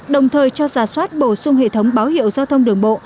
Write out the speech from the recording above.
đồng thời cho giả soát bổ sung hệ thống báo hiệu giao thông đường bộ